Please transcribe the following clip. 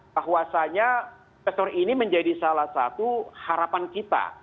bahwasanya investor ini menjadi salah satu harapan kita